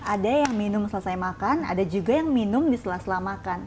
ada yang minum selesai makan ada juga yang minum di setelah selamakan